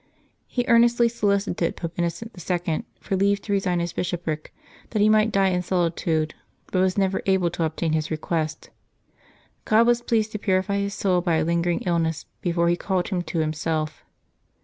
He earnestly solicited Pope Innocent II. for leave to resign his bishopric, that he might die in solitude, but was never able to obtain his request. God was pleased to purify his soul by a lingering illness before He called him to Him self.